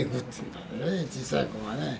小さい子がね。